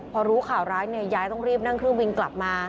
พอรู้ข่าวร้ายเนี่ยยายต้องรีบนั่งเครื่องบินกลับมา